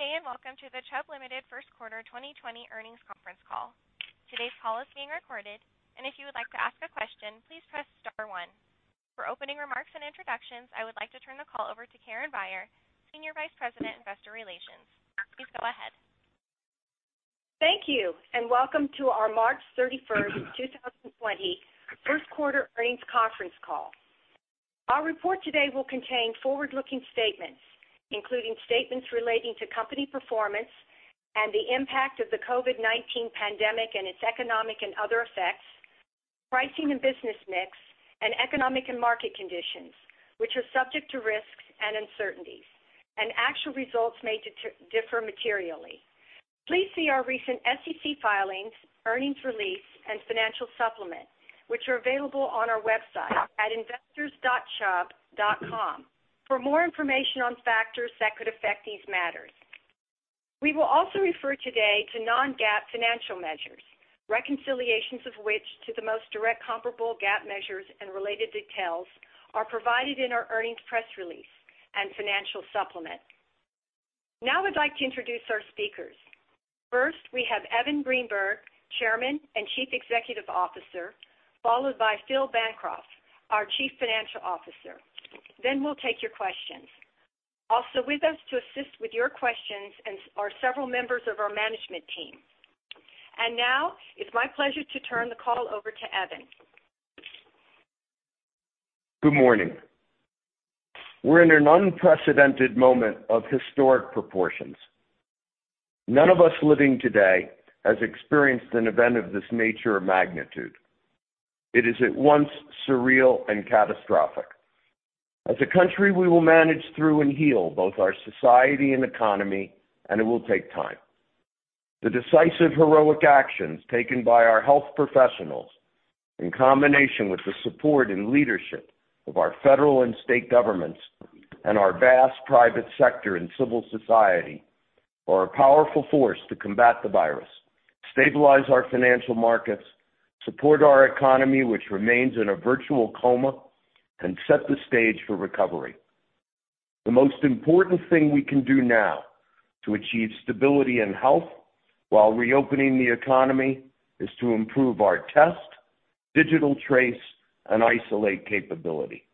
Good day, and welcome to the Chubb Limited First Quarter 2020 Earnings Conference Call. Today's call is being recorded, and if you would like to ask a question, please press star one. For opening remarks and introductions, I would like to turn the call over to Karen Beyer, Senior Vice President, Investor Relations. Please go ahead. Thank you, welcome to our March 31st, 2020 first quarter earnings conference call. Our report today will contain forward-looking statements, including statements relating to company performance and the impact of the COVID-19 pandemic and its economic and other effects, pricing and business mix, and economic and market conditions, which are subject to risks and uncertainties, and actual results may differ materially. Please see our recent SEC filings, earnings release, and financial supplement, which are available on our website at investors.chubb.com for more information on factors that could affect these matters. We will also refer today to non-GAAP financial measures, reconciliations of which to the most direct comparable GAAP measures and related details are provided in our earnings press release and financial supplement. Now I'd like to introduce our speakers. First, we have Evan Greenberg, Chairman and Chief Executive Officer, followed by Philip Bancroft, our Chief Financial Officer. We'll take your questions. Also with us to assist with your questions are several members of our management team. Now, it's my pleasure to turn the call over to Evan. Good morning. We're in an unprecedented moment of historic proportions. None of us living today has experienced an event of this nature or magnitude. It is at once surreal and catastrophic. As a country, we will manage through and heal both our society and economy, and it will take time. The decisive, heroic actions taken by our health professionals, in combination with the support and leadership of our federal and state governments and our vast private sector and civil society, are a powerful force to combat the virus, stabilize our financial markets, support our economy, which remains in a virtual coma, and set the stage for recovery. The most important thing we can do now to achieve stability and health while reopening the economy is to improve our test, digital trace, and isolate capability.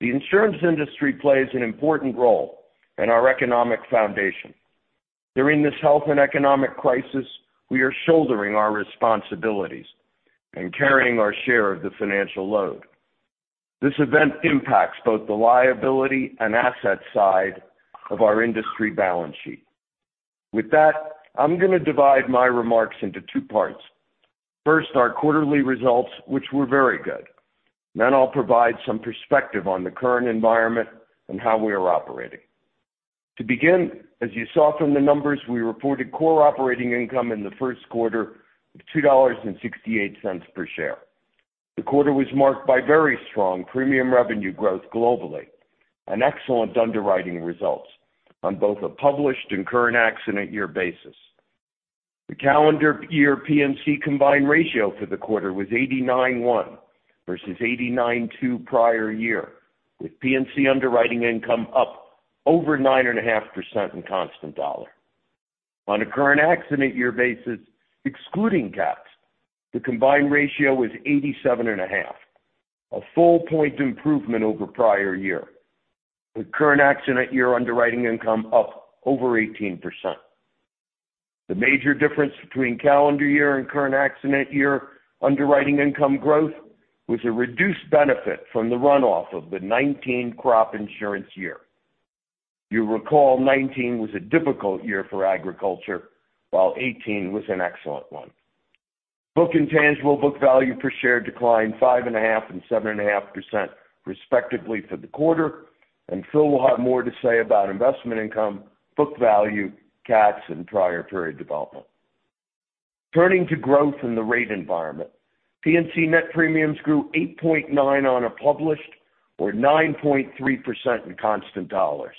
The insurance industry plays an important role in our economic foundation. During this health and economic crisis, we are shouldering our responsibilities and carrying our share of the financial load. This event impacts both the liability and asset side of our industry balance sheet. With that, I'm going to divide my remarks into two parts. First, our quarterly results, which were very good. I'll provide some perspective on the current environment and how we are operating. To begin, as you saw from the numbers, we reported core operating income in the first quarter of $2.68 per share. The quarter was marked by very strong premium revenue growth globally and excellent underwriting results on both a published and current accident year basis. The calendar year P&C combined ratio for the quarter was 89.1 versus 89.2 prior year, with P&C underwriting income up over 9.5% in constant dollar. On a current accident year basis, excluding GAAP, the combined ratio was 87.5, a full point improvement over prior year, with current accident year underwriting income up over 18%. The major difference between calendar year and current accident year underwriting income growth was a reduced benefit from the runoff of the 2019 crop insurance year. You'll recall 2019 was a difficult year for agriculture, while 2018 was an excellent one. Book and tangible book value per share declined 5.5% and 7.5% respectively for the quarter, and Phil will have more to say about investment income, book value, CATs, and prior period development. Turning to growth in the rate environment, P&C net premiums grew 8.9% on a published or 9.3% in constant dollars.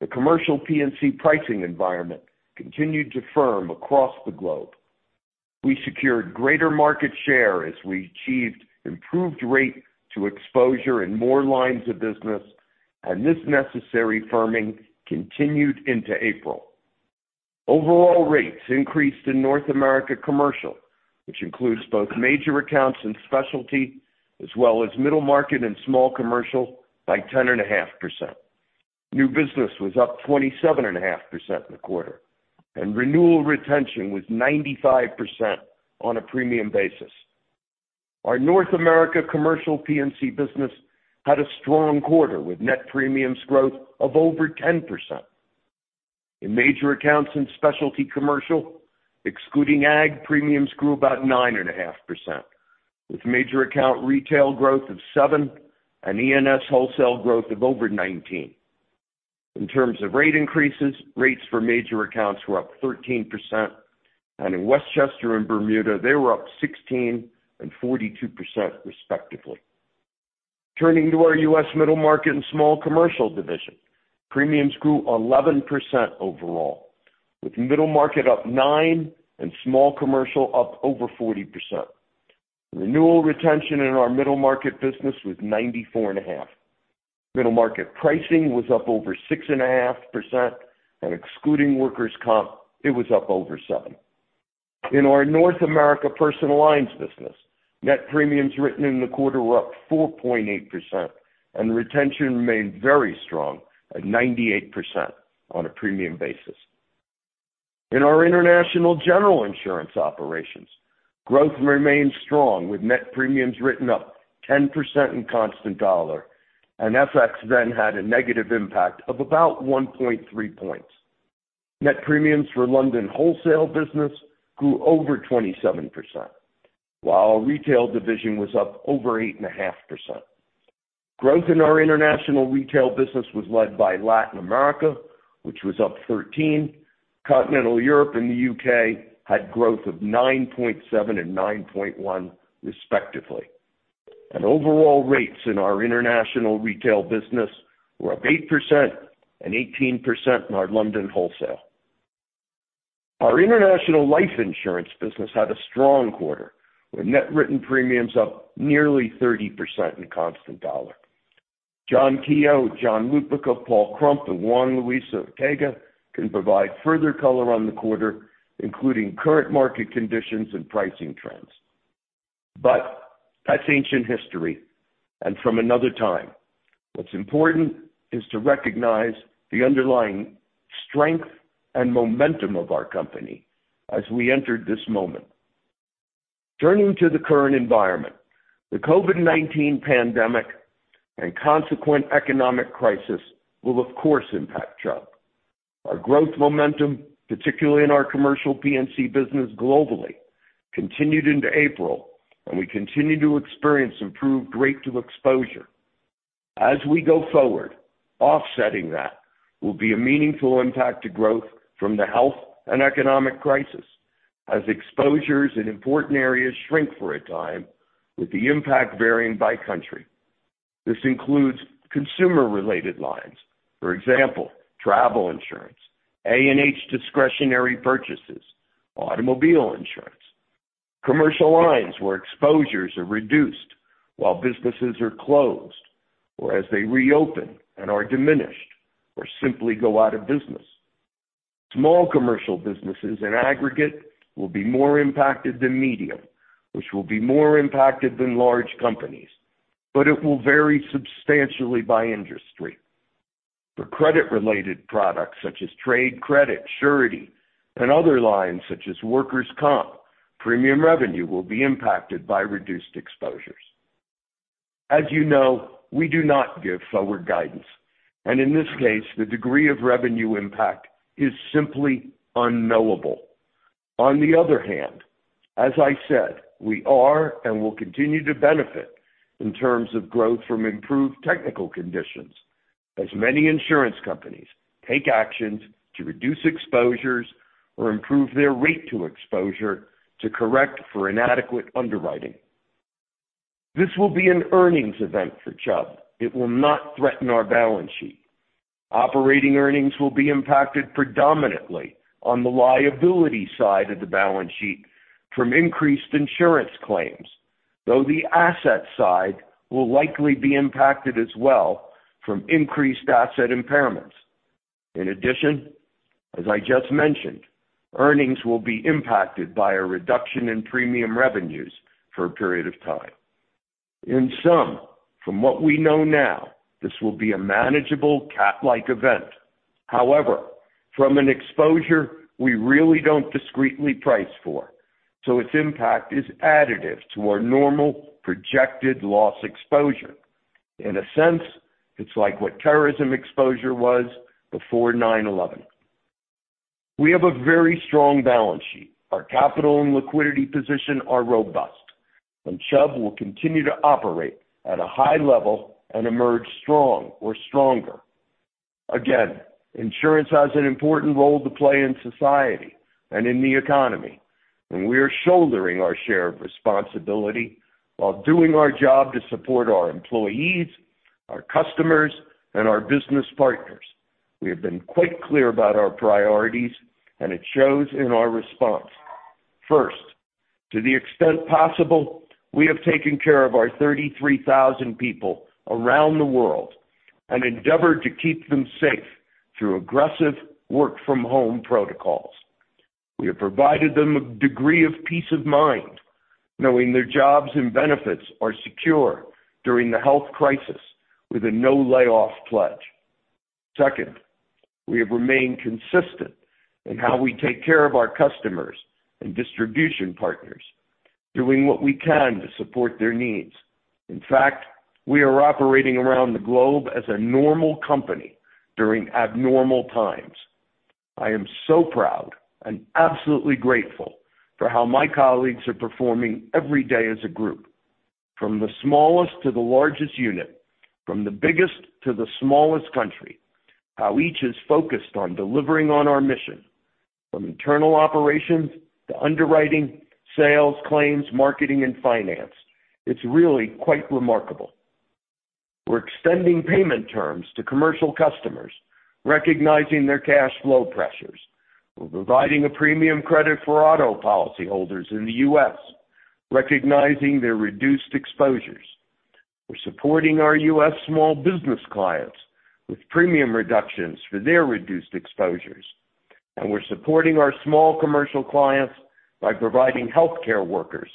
The commercial P&C pricing environment continued to firm across the globe. We secured greater market share as we achieved improved rate to exposure in more lines of business. This necessary firming continued into April. Overall rates increased in North America commercial, which includes both major accounts and specialty, as well as middle market and small commercial, by 10.5%. New business was up 27.5% in the quarter. Renewal retention was 95% on a premium basis. Our North America commercial P&C business had a strong quarter, with net premiums growth of over 10%. In major accounts and specialty commercial, excluding ag, premiums grew about 9.5%, with major account retail growth of 7% and ENS wholesale growth of over 19%. In terms of rate increases, rates for major accounts were up 13%. In Westchester and Bermuda, they were up 16% and 42% respectively. Turning to our U.S. middle market and small commercial division, premiums grew 11% overall, with middle market up 9% and small commercial up over 40%. Renewal retention in our middle market business was 94.5%. Middle market pricing was up over 6.5%. Excluding workers' comp, it was up over 7%. In our North America Personal Lines business, net premiums written in the quarter were up 4.8%. Retention remained very strong at 98% on a premium basis. In our International General Insurance operations, growth remained strong, with net premiums written up 10% in constant USD. FX then had a negative impact of about 1.3 points. Net premiums for London wholesale business grew over 27%, while our retail division was up over 8.5%. Growth in our international retail business was led by Latin America, which was up 13%. Continental Europe and the U.K. had growth of 9.7% and 9.1% respectively. Overall rates in our international retail business were up 8% and 18% in our London wholesale. Our International Life Insurance business had a strong quarter, with net written premiums up nearly 30% in constant U.S. dollar. John Keogh, John Lupica, Paul Krump, and Juan Luis Ortega can provide further color on the quarter, including current market conditions and pricing trends. That's ancient history and from another time. What's important is to recognize the underlying strength and momentum of our company as we entered this moment. Turning to the current environment, the COVID-19 pandemic and consequent economic crisis will, of course, impact Chubb. Our growth momentum, particularly in our commercial P&C business globally, continued into April, and we continue to experience improved rate to exposure. As we go forward, offsetting that will be a meaningful impact to growth from the health and economic crisis as exposures in important areas shrink for a time, with the impact varying by country. This includes consumer-related lines. For example, travel insurance, A&H discretionary purchases, automobile insurance, commercial lines where exposures are reduced while businesses are closed or as they reopen and are diminished or simply go out of business. Small commercial businesses in aggregate will be more impacted than medium, which will be more impacted than large companies, but it will vary substantially by industry. For credit-related products such as trade credit, surety, and other lines such as workers' comp, premium revenue will be impacted by reduced exposures. As you know, we do not give forward guidance, and in this case, the degree of revenue impact is simply unknowable. On the other hand, as I said, we are and will continue to benefit in terms of growth from improved technical conditions as many insurance companies take actions to reduce exposures or improve their rate to exposure to correct for inadequate underwriting. This will be an earnings event for Chubb. It will not threaten our balance sheet. Operating earnings will be impacted predominantly on the liability side of the balance sheet from increased insurance claims, though the asset side will likely be impacted as well from increased asset impairments. In addition, as I just mentioned, earnings will be impacted by a reduction in premium revenues for a period of time. In sum, from what we know now, this will be a manageable CAT-like event. From an exposure we really don't discreetly price for, so its impact is additive to our normal projected loss exposure. In a sense, it's like what terrorism exposure was before 9/11. We have a very strong balance sheet. Our capital and liquidity position are robust, and Chubb will continue to operate at a high level and emerge strong or stronger. Again, insurance has an important role to play in society and in the economy, and we are shouldering our share of responsibility while doing our job to support our employees, our customers, and our business partners. We have been quite clear about our priorities, and it shows in our response. First, to the extent possible, we have taken care of our 33,000 people around the world and endeavored to keep them safe through aggressive work-from-home protocols. We have provided them a degree of peace of mind, knowing their jobs and benefits are secure during the health crisis with a no-layoff pledge. Second, we have remained consistent in how we take care of our customers and distribution partners, doing what we can to support their needs. In fact, we are operating around the globe as a normal company during abnormal times. I am so proud and absolutely grateful for how my colleagues are performing every day as a group. From the smallest to the largest unit, from the biggest to the smallest country, how each is focused on delivering on our mission, from internal operations to underwriting, sales, claims, marketing, and finance. It's really quite remarkable. We're extending payment terms to commercial customers, recognizing their cash flow pressures. We're providing a premium credit for auto policyholders in the U.S., recognizing their reduced exposures. We're supporting our U.S. small business clients with premium reductions for their reduced exposures. We're supporting our small commercial clients by providing healthcare workers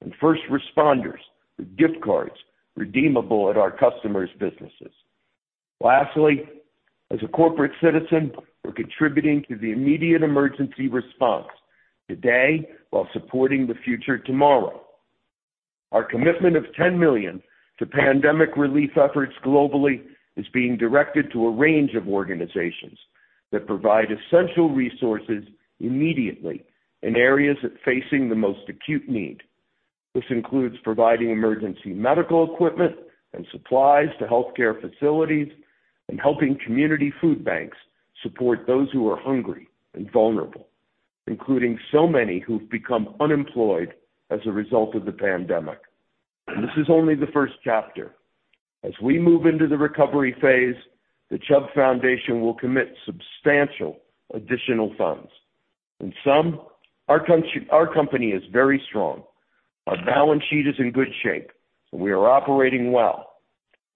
and first responders with gift cards redeemable at our customers' businesses. Lastly, as a corporate citizen, we're contributing to the immediate emergency response today while supporting the future tomorrow. Our commitment of $10 million to pandemic relief efforts globally is being directed to a range of organizations that provide essential resources immediately in areas that facing the most acute need. This includes providing emergency medical equipment and supplies to healthcare facilities and helping community food banks support those who are hungry and vulnerable, including so many who've become unemployed as a result of the pandemic. This is only the first chapter. As we move into the recovery phase, the Chubb Foundation will commit substantial additional funds. In sum, our company is very strong. Our balance sheet is in good shape, and we are operating well.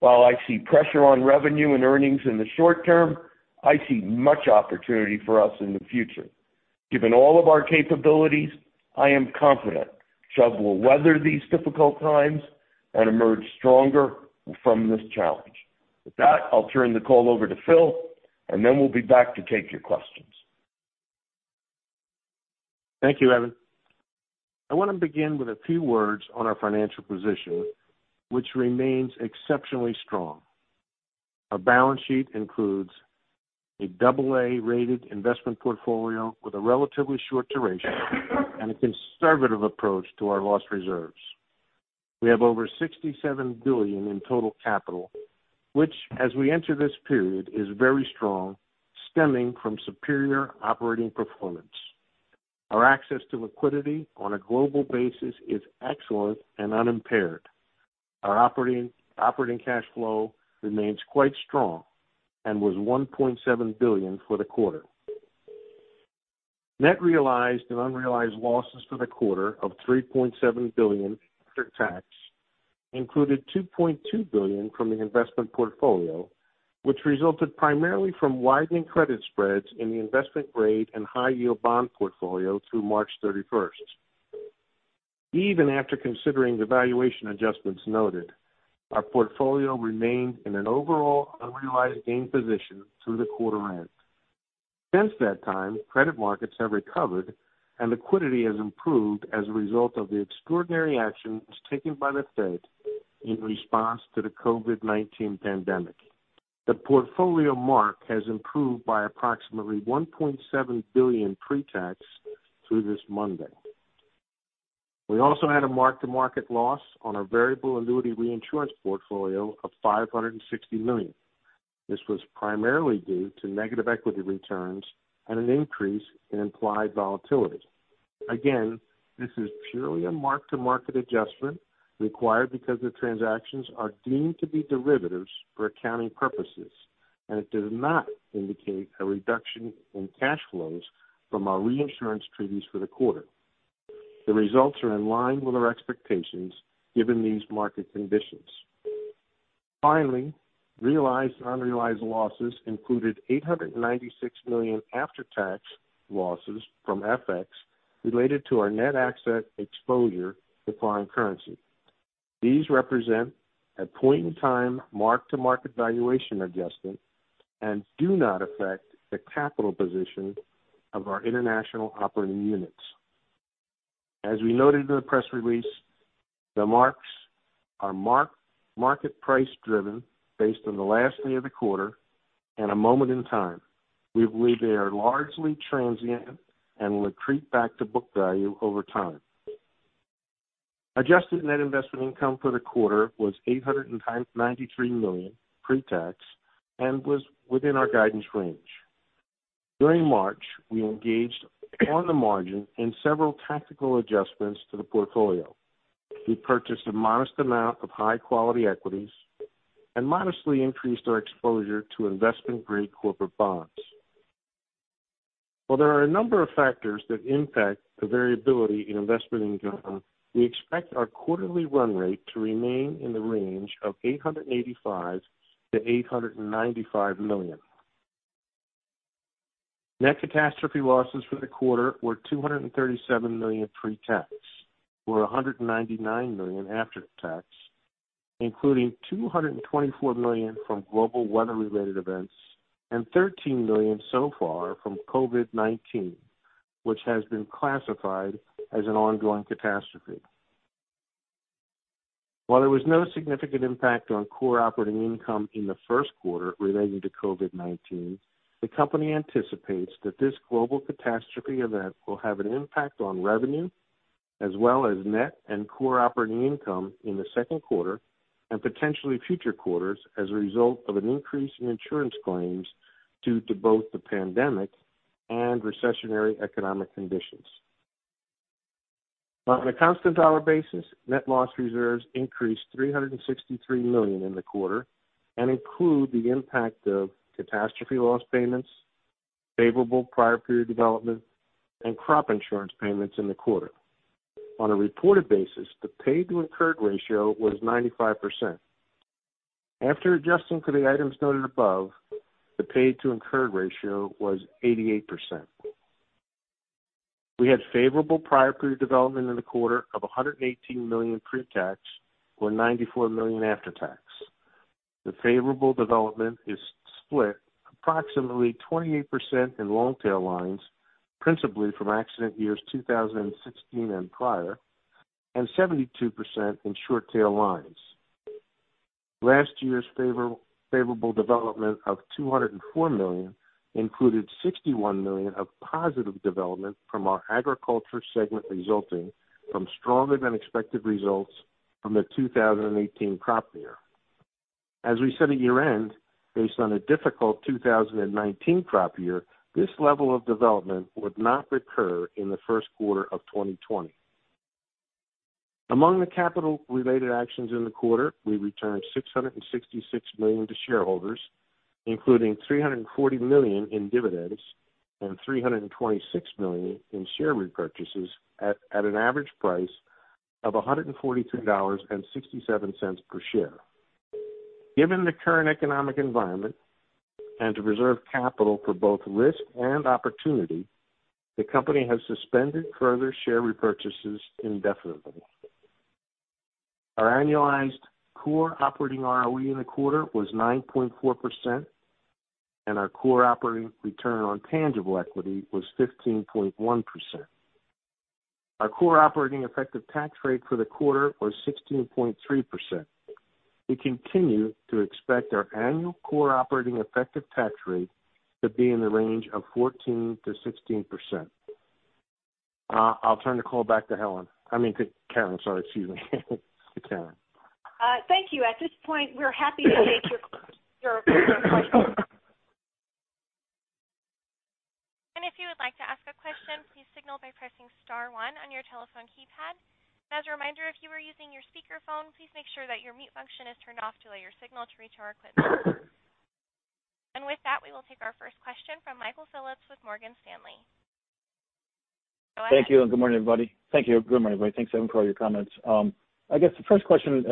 While I see pressure on revenue and earnings in the short term, I see much opportunity for us in the future. Given all of our capabilities, I am confident Chubb will weather these difficult times and emerge stronger from this challenge. With that, I'll turn the call over to Phil, and then we'll be back to take your questions. Thank you, Evan. I want to begin with a few words on our financial position, which remains exceptionally strong. Our balance sheet includes a double A-rated investment portfolio with a relatively short duration and a conservative approach to our loss reserves. We have over $67 billion in total capital, which, as we enter this period, is very strong, stemming from superior operating performance. Our access to liquidity on a global basis is excellent and unimpaired. Our operating cash flow remains quite strong and was $1.7 billion for the quarter. Net realized and unrealized losses for the quarter of $3.7 billion after tax included $2.2 billion from the investment portfolio, which resulted primarily from widening credit spreads in the investment grade and high yield bond portfolio through March 31st. Even after considering the valuation adjustments noted, our portfolio remained in an overall unrealized gain position through the quarter end. Since that time, credit markets have recovered, and liquidity has improved as a result of the extraordinary actions taken by the Fed in response to the COVID-19 pandemic. The portfolio mark has improved by approximately $1.7 billion pre-tax through this Monday. We also had a mark-to-market loss on our variable annuity reinsurance portfolio of $560 million. This was primarily due to negative equity returns and an increase in implied volatility. This is purely a market-to-market adjustment required because the transactions are deemed to be derivatives for accounting purposes, and it does not indicate a reduction in cash flows from our reinsurance treaties for the quarter. The results are in line with our expectations given these market conditions. Realized and unrealized losses included $896 million after-tax losses from FX related to our net asset exposure to foreign currency. These represent a point-in-time, market-to-market valuation adjustment and do not affect the capital position of our international operating units. As we noted in the press release, the marks are market price driven based on the last day of the quarter and a moment in time. We believe they are largely transient and will retreat back to book value over time. Adjusted net investment income for the quarter was $893 million pre-tax and was within our guidance range. During March, we engaged on the margin in several tactical adjustments to the portfolio. We purchased a modest amount of high-quality equities and modestly increased our exposure to investment-grade corporate bonds. While there are a number of factors that impact the variability in investment income, we expect our quarterly run rate to remain in the range of $885 million-$895 million. Net catastrophe losses for the quarter were $237 million pre-tax or $199 million after tax, including $224 million from global weather-related events and $13 million so far from COVID-19, which has been classified as an ongoing catastrophe. While there was no significant impact on core operating income in the first quarter relating to COVID-19, the company anticipates that this global catastrophe event will have an impact on revenue as well as net and core operating income in the second quarter and potentially future quarters as a result of an increase in insurance claims due to both the pandemic and recessionary economic conditions. On a constant dollar basis, net loss reserves increased $363 million in the quarter and include the impact of catastrophe loss payments, favorable prior period development, and crop insurance payments in the quarter. On a reported basis, the paid to incurred ratio was 95%. After adjusting for the items noted above, the paid to incurred ratio was 88%. We had favorable prior period development in the quarter of $118 million pre-tax or $94 million after-tax. The favorable development is split approximately 28% in long-tail lines, principally from accident years 2016 and prior, and 72% in short tail lines. Last year's favorable development of $204 million included $61 million of positive development from our agriculture segment, resulting from stronger than expected results from the 2018 crop year. As we said at year-end, based on a difficult 2019 crop year, this level of development would not recur in the first quarter of 2020. Among the capital related actions in the quarter, we returned $666 million to shareholders, including $340 million in dividends and $326 million in share repurchases at an average price of $143.67 per share. Given the current economic environment, and to reserve capital for both risk and opportunity, the company has suspended further share repurchases indefinitely. Our annualized core operating ROE in the quarter was 9.4%, and our core operating return on tangible equity was 15.1%. Our core operating effective tax rate for the quarter was 16.3%. We continue to expect our annual core operating effective tax rate to be in the range of 14%-16%. I'll turn the call back to Helen. I mean to Karen. Sorry, excuse me. To Karen. Thank you. At this point, we're happy to take your questions. If you would like to ask a question, please signal by pressing star one on your telephone keypad. As a reminder, if you are using your speakerphone, please make sure that your mute function is turned off to allow your signal to reach our equipment. With that, we will take our first question from Michael Phillips with Morgan Stanley. Go ahead. Thank you, and good morning, everybody. Thanks, Evan, for all your comments. I guess the first question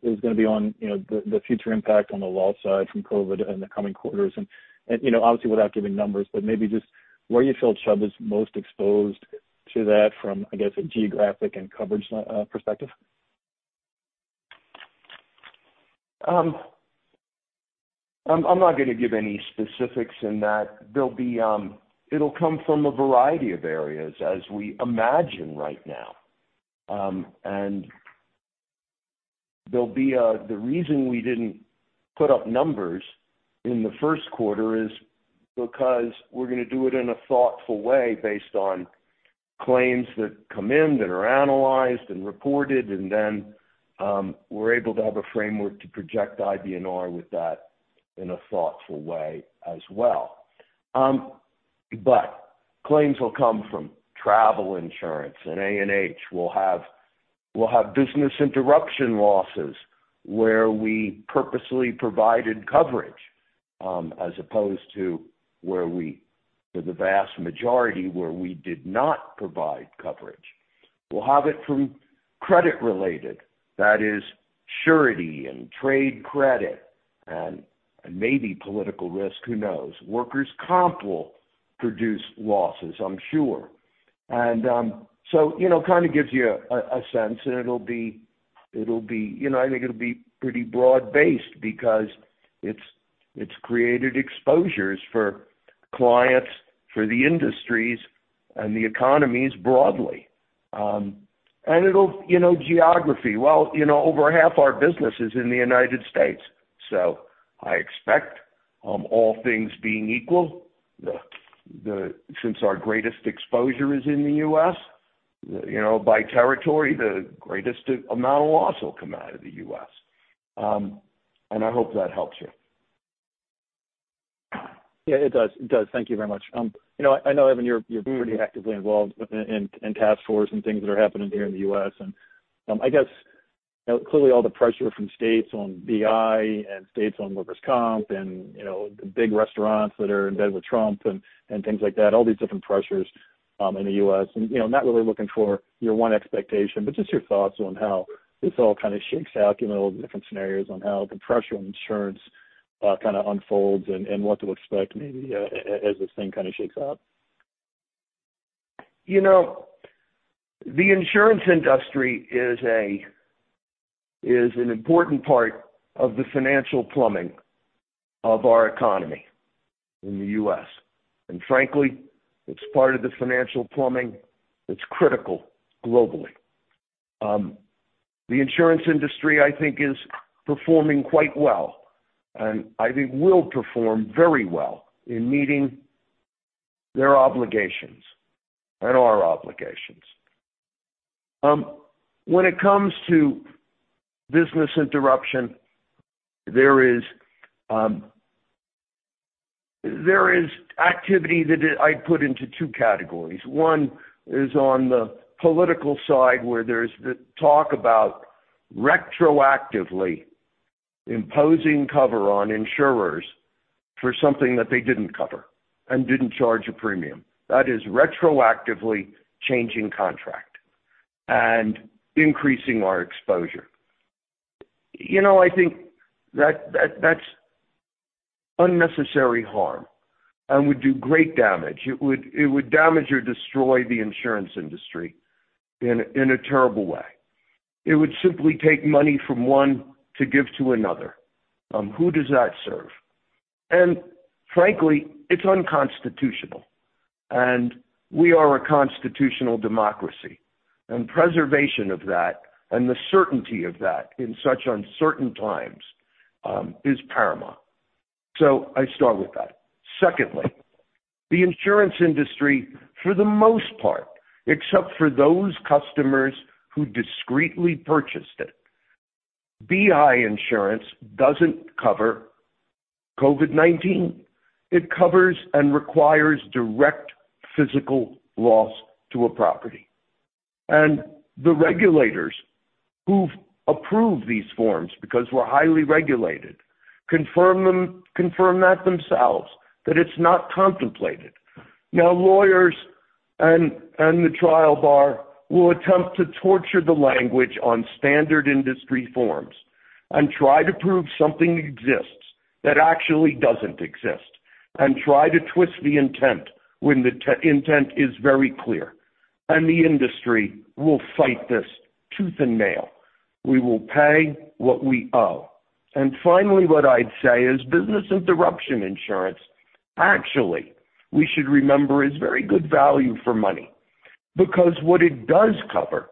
is going to be on the future impact on the wall side from COVID in the coming quarters and obviously without giving numbers, but maybe just where you feel Chubb is most exposed to that from, I guess, a geographic and coverage perspective. I'm not going to give any specifics in that. It'll come from a variety of areas as we imagine right now. The reason we didn't put up numbers in the first quarter is because we're going to do it in a thoughtful way based on claims that come in, that are analyzed and reported, and then we're able to have a framework to project IBNR with that in a thoughtful way as well. Claims will come from travel insurance and A&H. We'll have business interruption losses where we purposely provided coverage, as opposed to the vast majority where we did not provide coverage. We'll have it from credit related. That is surety and trade credit and maybe political risk. Who knows? Workers' comp will produce losses, I'm sure. Kind of gives you a sense and I think it'll be pretty broad-based because it's created exposures for clients, for the industries, and the economies broadly. Geography. Well, over half our business is in the United States, I expect all things being equal, since our greatest exposure is in the U.S., by territory, the greatest amount of loss will come out of the U.S. I hope that helps you. Yeah, it does. Thank you very much. I know, Evan, you're pretty actively involved in task force and things that are happening here in the U.S. I guess, clearly all the pressure from states on BI and states on workers' comp and the big restaurants that are in bed with Trump and things like that, all these different pressures in the U.S. and not really looking for your one expectation, but just your thoughts on how this all kind of shakes out, different scenarios on how the pressure on insurance kind of unfolds and what to expect maybe as this thing kind of shakes out. The insurance industry is an important part of the financial plumbing of our economy in the U.S., and frankly, it's part of the financial plumbing that's critical globally. The insurance industry, I think, is performing quite well, and I think will perform very well in meeting their obligations and our obligations. When it comes to business interruption, there is. There is activity that I put into two categories. One is on the political side, where there's the talk about retroactively imposing cover on insurers for something that they didn't cover and didn't charge a premium. That is retroactively changing contract and increasing our exposure. I think that's unnecessary harm and would do great damage. It would damage or destroy the insurance industry in a terrible way. It would simply take money from one to give to another. Who does that serve? Frankly, it's unconstitutional, and we are a constitutional democracy, and preservation of that and the certainty of that in such uncertain times is paramount. I start with that. Secondly, the insurance industry, for the most part, except for those customers who discreetly purchased it, BI insurance doesn't cover COVID-19. It covers and requires direct physical loss to a property. The regulators who've approved these forms, because we're highly regulated, confirm that themselves, that it's not contemplated. Lawyers and the trial bar will attempt to torture the language on standard industry forms and try to prove something exists that actually doesn't exist, and try to twist the intent when the intent is very clear. The industry will fight this tooth and nail. We will pay what we owe. Finally, what I'd say is business interruption insurance, actually, we should remember, is very good value for money. What it does cover,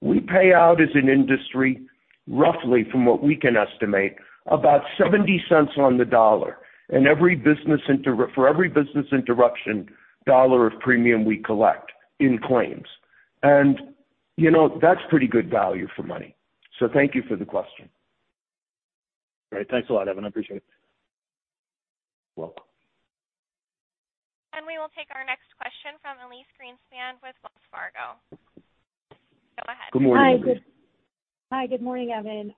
we pay out as an industry, roughly from what we can estimate, about $0.70 on the dollar for every business interruption dollar of premium we collect in claims. That's pretty good value for money. Thank you for the question. Great. Thanks a lot, Evan. I appreciate it. You're welcome. We will take our next question from Elyse Greenspan with Wells Fargo. Go ahead. Good morning. Hi, good morning, Evan.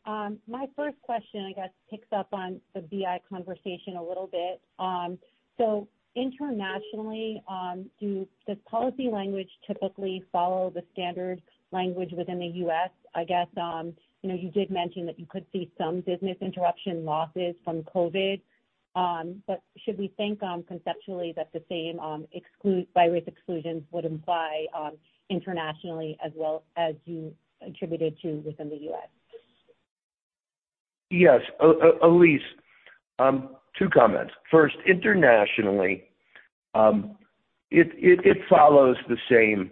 My first question, I guess, picks up on the BI conversation a little bit. Internationally, does policy language typically follow the standard language within the U.S.? I guess, you did mention that you could see some business interruption losses from COVID, but should we think conceptually that the same virus exclusions would apply internationally as well as you attributed to within the U.S.? Yes. Elyse, two comments. First, internationally, it follows the same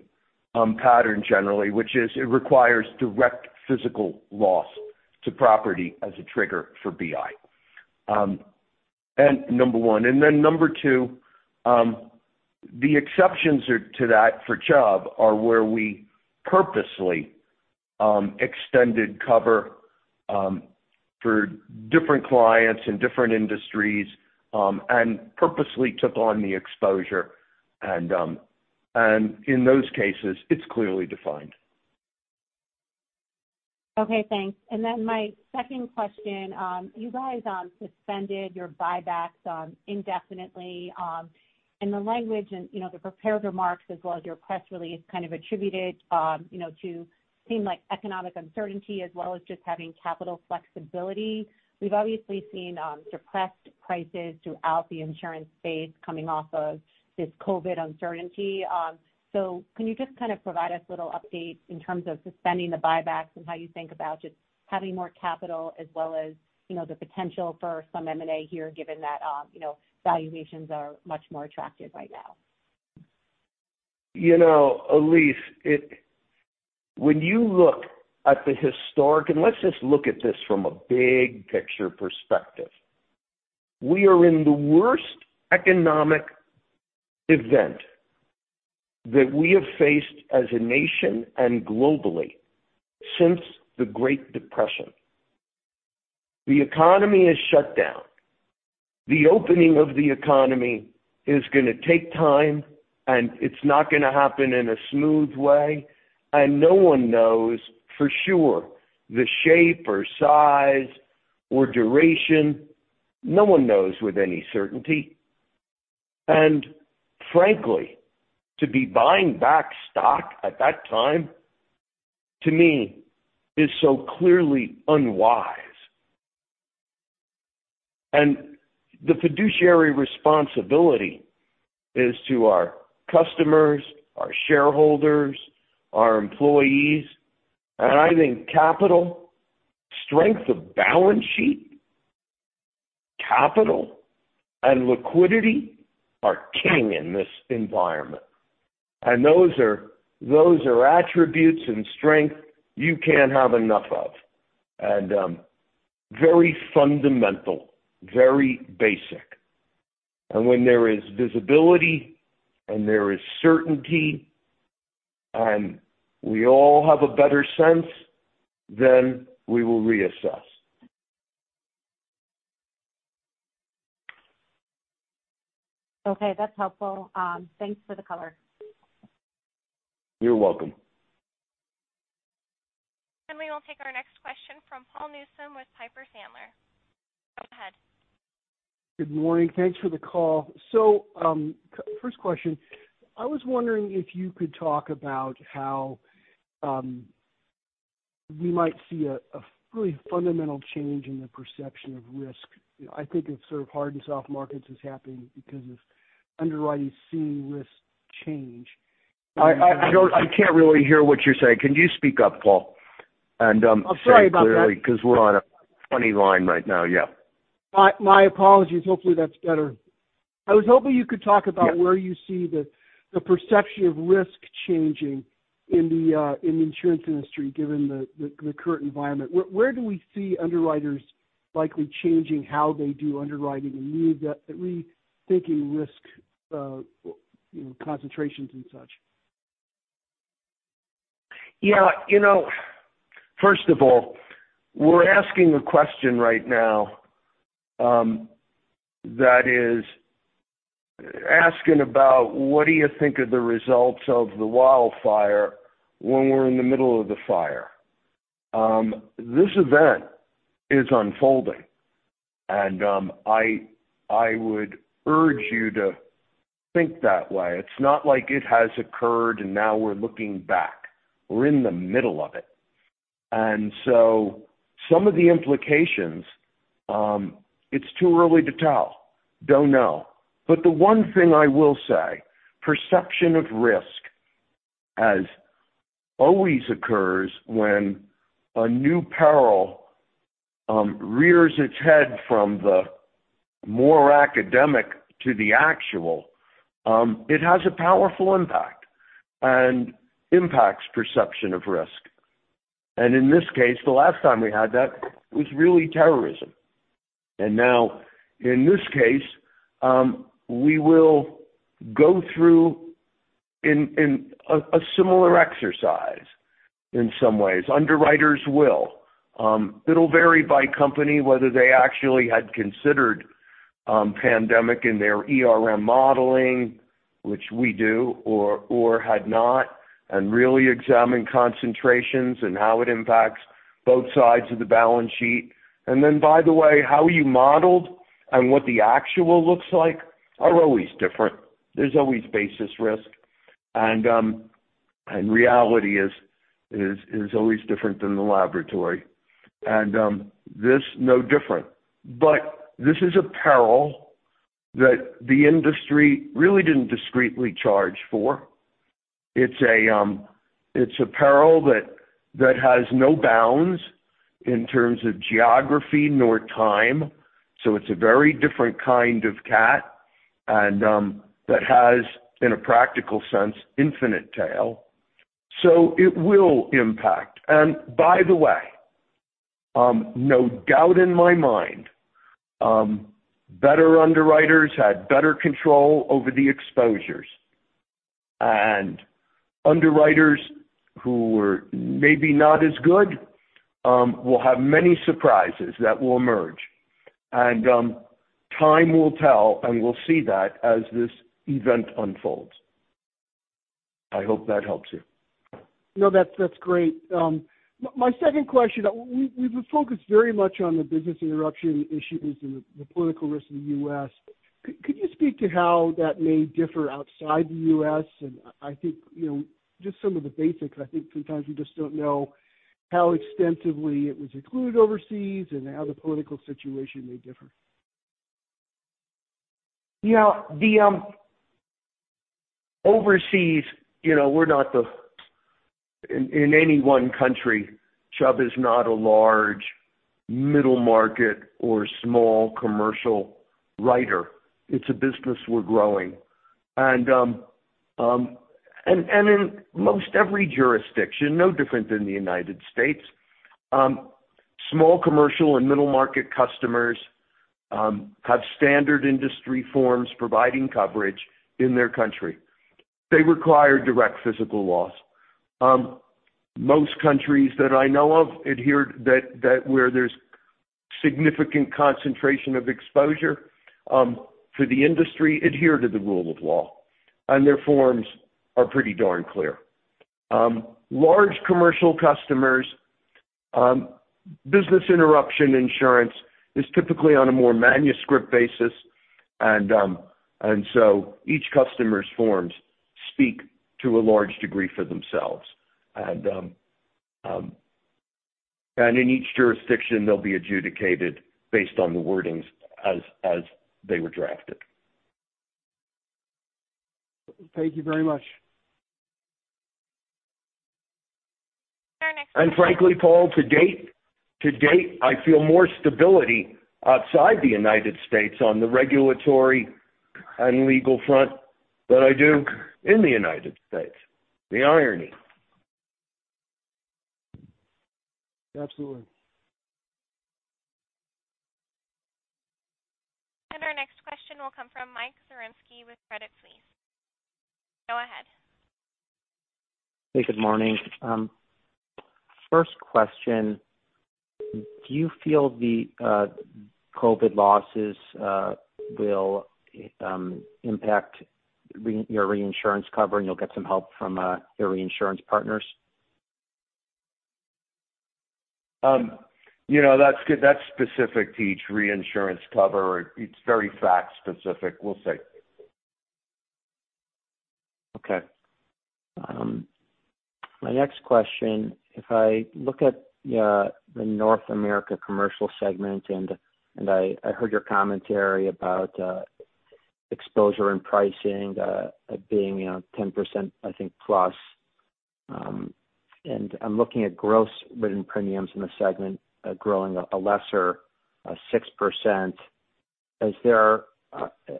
pattern generally, which is it requires direct physical loss to property as a trigger for BI. Number one. Then number two, the exceptions to that for Chubb are where we purposely extended cover for different clients in different industries, and purposely took on the exposure. In those cases, it's clearly defined. Okay, thanks. Then my second question. You guys suspended your buybacks indefinitely. In the language and the prepared remarks as well as your press release kind of attributed to seem like economic uncertainty as well as just having capital flexibility. We've obviously seen suppressed prices throughout the insurance space coming off of this COVID-19 uncertainty. Can you just kind of provide us a little update in terms of suspending the buybacks and how you think about just having more capital as well as the potential for some M&A here, given that valuations are much more attractive right now? Elyse, when you look at the historic, let's just look at this from a big picture perspective. We are in the worst economic event that we have faced as a nation and globally since the Great Depression. The economy is shut down. The opening of the economy is going to take time, and it's not going to happen in a smooth way, and no one knows for sure the shape or size or duration. No one knows with any certainty. Frankly, to be buying back stock at that time, to me, is so clearly unwise. The fiduciary responsibility is to our customers, our shareholders, our employees. I think capital strength of balance sheet, capital, and liquidity are king in this environment. Those are attributes and strength you can't have enough of. Very fundamental, very basic. When there is visibility and there is certainty and we all have a better sense, then we will reassess. Okay, that's helpful. Thanks for the color. You're welcome. We will take our next question from Paul Newsome with Piper Sandler. Go ahead. Good morning. Thanks for the call. First question, I was wondering if you could talk about how we might see a really fundamental change in the perception of risk. I think it's hard and soft markets is happening because of underwriters seeing risk change. I can't really hear what you're saying. Can you speak up, Paul? I'm sorry about that. Say it clearly because we're on a funny line right now. Yeah. My apologies. Hopefully, that's better. I was hoping you could talk about where you see the perception of risk changing in the insurance industry, given the current environment. Where do we see underwriters likely changing how they do underwriting and rethinking risk, concentrations and such? Yeah. First of all, we're asking a question right now that is asking about what do you think of the results of the wildfire when we're in the middle of the fire. This event is unfolding, and I would urge you to think that way. It's not like it has occurred and now we're looking back. We're in the middle of it. Some of the implications, it's too early to tell. Don't know. The one thing I will say, perception of risk, as always occurs when a new peril rears its head from the more academic to the actual, it has a powerful impact and impacts perception of risk. In this case, the last time we had that was really terrorism. Now, in this case, we will go through a similar exercise in some ways. Underwriters will. It'll vary by company whether they actually had considered pandemic in their ERM modeling, which we do, or had not, and really examine concentrations and how it impacts both sides of the balance sheet. Then, by the way, how you modeled and what the actual looks like are always different. There's always basis risk, reality is always different than the laboratory. This, no different. This is a peril that the industry really didn't discreetly charge for. It's a peril that has no bounds in terms of geography nor time. It's a very different kind of CAT, that has, in a practical sense, infinite tail. It will impact. By the way, no doubt in my mind, better underwriters had better control over the exposures. Underwriters who were maybe not as good will have many surprises that will emerge. Time will tell, and we'll see that as this event unfolds. I hope that helps you. No, that's great. My second question, we've focused very much on the business interruption issues and the political risk in the U.S. Could you speak to how that may differ outside the U.S.? I think, just some of the basics, sometimes we just don't know how extensively it was included overseas and how the political situation may differ. Overseas, in any one country, Chubb is not a large middle market or small commercial writer. It's a business we're growing. In most every jurisdiction, no different than the United States, small commercial and middle market customers have standard industry forms providing coverage in their country. They require direct physical loss. Most countries that I know of, where there's significant concentration of exposure for the industry adhere to the rule of law, and their forms are pretty darn clear. Large commercial customers, business interruption insurance is typically on a more manuscript basis. Each customer's forms speak to a large degree for themselves. In each jurisdiction, they'll be adjudicated based on the wordings as they were drafted. Thank you very much. Our next- Frankly, Paul, to date, I feel more stability outside the United States on the regulatory and legal front than I do in the United States. The irony. Absolutely. The next question will come from Mike Zaremski with Credit Suisse. Go ahead. Hey, good morning. First question, do you feel the COVID losses will impact your reinsurance cover and you'll get some help from your reinsurance partners? That's specific to each reinsurance cover. It's very fact-specific. We'll see. Okay. My next question, if I look at the North America Commercial segment, I heard your commentary about exposure and pricing being 10%, I think, plus. I'm looking at gross written premiums in the segment growing a lesser 6%.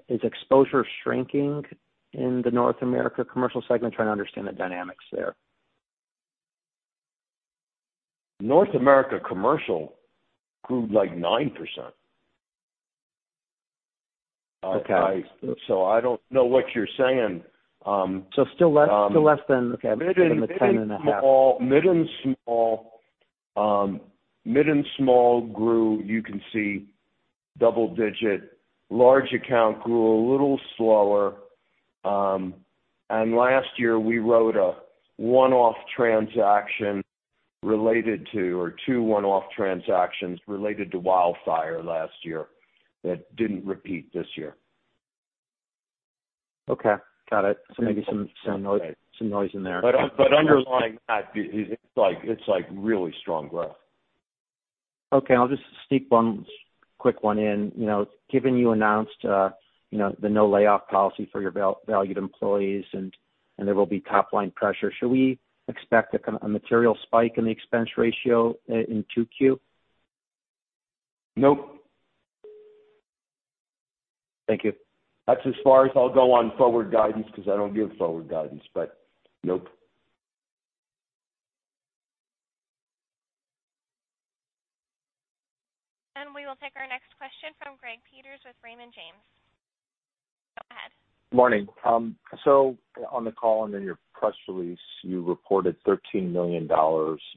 Is exposure shrinking in the North America Commercial segment? Trying to understand the dynamics there. North America Commercial grew like 9%. Okay. I don't know what you're saying. Still less than, okay, I'm thinking like 10 and a half. Mid and small grew, you can see double-digit. Large account grew a little slower. Last year we wrote a one-off transaction related to, or two one-off transactions, related to wildfire last year that didn't repeat this year. Okay. Got it. Maybe some noise in there. Underlying that, it's like really strong growth. Okay. I'll just sneak one quick one in. Given you announced the no layoff policy for your valued employees and there will be top-line pressure, should we expect a material spike in the expense ratio in 2Q? Nope. Thank you. That's as far as I'll go on forward guidance because I don't give forward guidance. Nope. We will take our next question from Greg Peters with Raymond James. Go ahead. Morning. On the call and in your press release, you reported $13 million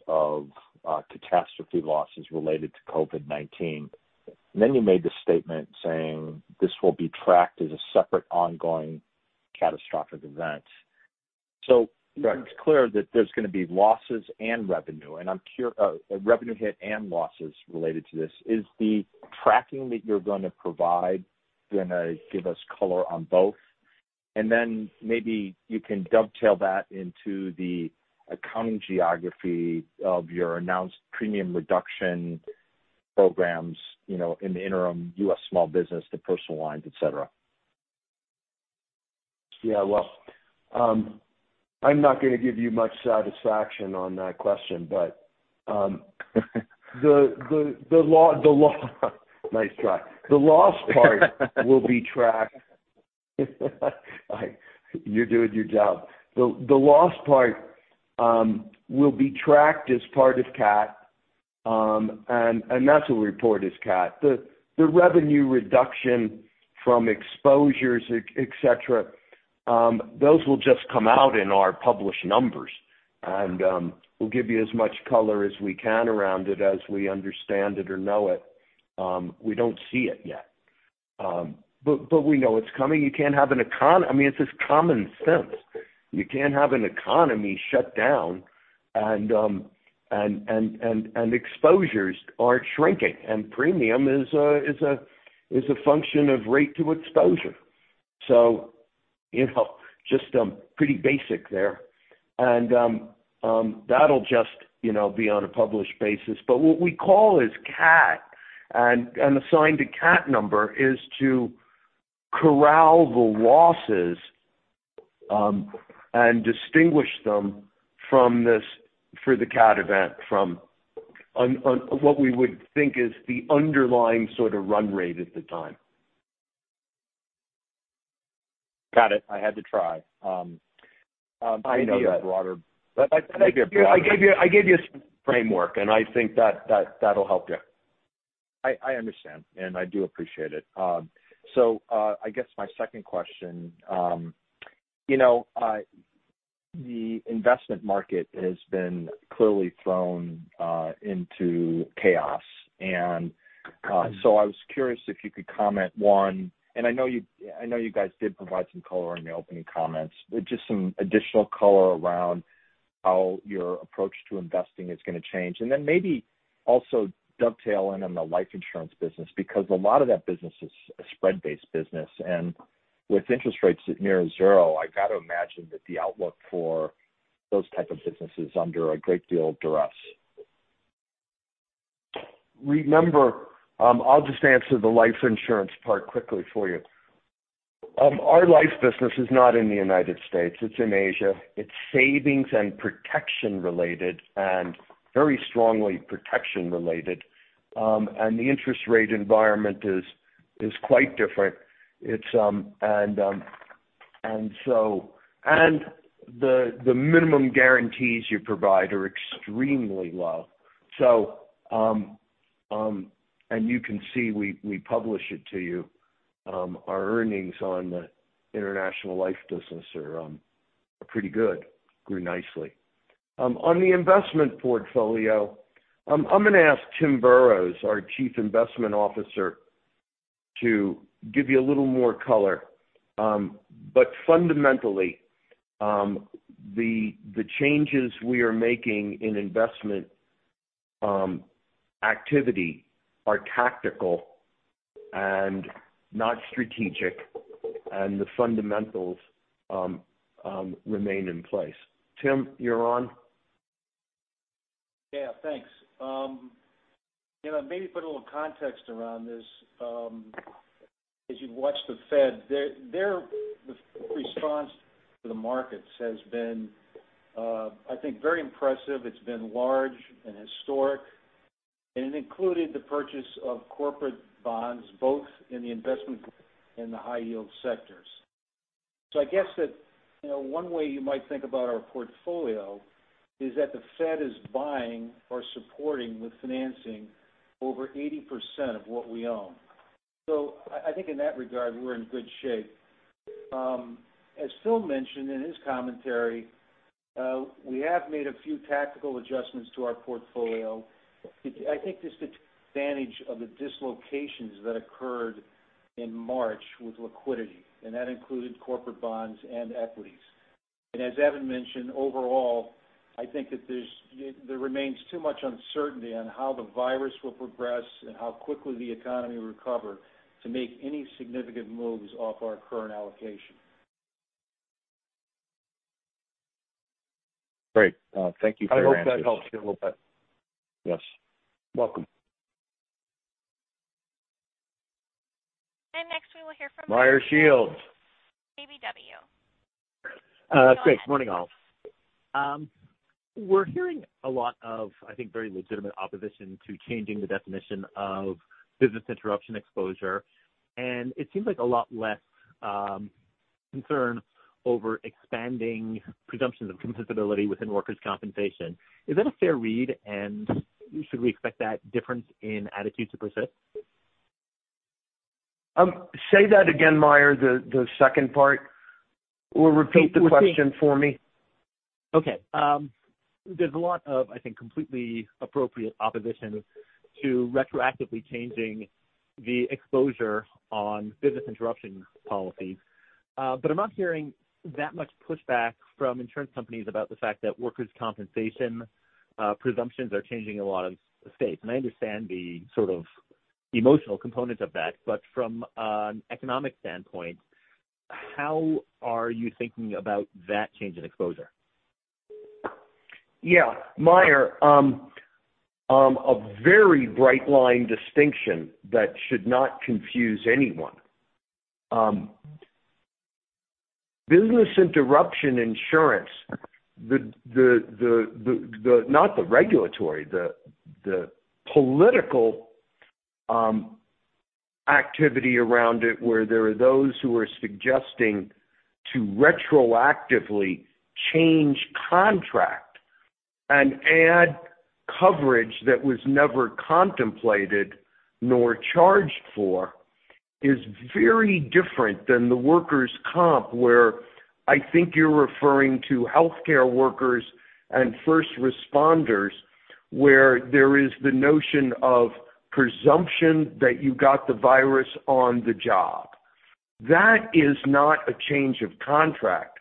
of catastrophe losses related to COVID-19. You made the statement saying this will be tracked as a separate ongoing catastrophic event. Right. It's clear that there's going to be losses and revenue hit and losses related to this. Is the tracking that you're going to provide going to give us color on both? Maybe you can dovetail that into the accounting geography of your announced premium reduction programs, in the interim U.S. small business to personal lines, et cetera. Yeah. Well, I'm not going to give you much satisfaction on that question. Nice try. The loss part will be tracked. You're doing your job. The loss part will be tracked as part of CAT. That's what we report as CAT. The revenue reduction from exposures, et cetera, those will just come out in our published numbers. We'll give you as much color as we can around it as we understand it or know it. We don't see it yet. We know it's coming. It's just common sense. You can't have an economy shut down. Exposures aren't shrinking. Premium is a function of rate to exposure. Just pretty basic there. That'll just be on a published basis. What we call as CAT and assign to CAT number is to corral the losses and distinguish them from this for the CAT event, from what we would think is the underlying sort of run rate at the time. Got it. I had to try. I know that. Give you a broader- I gave you some framework, and I think that'll help you. I understand, and I do appreciate it. I guess my second question. The investment market has been clearly thrown into chaos, and so I was curious if you could comment, one, and I know you guys did provide some color in the opening comments, but just some additional color around how your approach to investing is going to change, and then maybe also dovetail in on the life insurance business, because a lot of that business is a spread-based business. With interest rates near zero, I got to imagine that the outlook for those type of businesses is under a great deal of duress. Remember, I'll just answer the life insurance part quickly for you. Our life business is not in the U.S. It's in Asia. It's savings and protection related and very strongly protection related. The interest rate environment is quite different. The minimum guarantees you provide are extremely low. You can see we publish it to you. Our earnings on the international life business are pretty good, grew nicely. On the investment portfolio, I'm going to ask Tim Boroughs, our Chief Investment Officer, to give you a little more color. Fundamentally, the changes we are making in investment activity are tactical and not strategic, and the fundamentals remain in place. Tim, you're on. Yeah, thanks. Maybe put a little context around this. As you've watched the Fed, their response to the markets has been, I think, very impressive. It's been large and historic, and it included the purchase of corporate bonds both in the investment and the high yield sectors. I guess that one way you might think about our portfolio is that the Fed is buying or supporting with financing over 80% of what we own. I think in that regard, we're in good shape. As Phil mentioned in his commentary, we have made a few tactical adjustments to our portfolio. I think this advantage of the dislocations that occurred in March with liquidity, and that included corporate bonds and equities. As Evan mentioned, overall, I think that there remains too much uncertainty on how the virus will progress and how quickly the economy will recover to make any significant moves off our current allocation. Great. Thank you for your answers. I hope that helps you a little bit. Yes. Welcome. Next we will hear from. Meyer Shields KBW. Great. Morning, all. We're hearing a lot of, I think, very legitimate opposition to changing the definition of business interruption exposure, and it seems like a lot less concern over expanding presumptions of compensability within workers' compensation. Is that a fair read, and should we expect that difference in attitude to persist? Say that again, Meyer, the second part, or repeat the question for me? Okay. There's a lot of, I think, completely appropriate opposition to retroactively changing the exposure on business interruption policies. I'm not hearing that much pushback from insurance companies about the fact that workers' compensation presumptions are changing in a lot of states. I understand the sort of emotional component of that. From an economic standpoint, how are you thinking about that change in exposure? Yeah. Meyer, a very bright line distinction that should not confuse anyone. Business interruption insurance, not the regulatory, the political activity around it where there are those who are suggesting to retroactively change contract and add coverage that was never contemplated nor charged for is very different than the workers' comp where I think you're referring to healthcare workers and first responders, where there is the notion of presumption that you got the virus on the job. That is not a change of contract.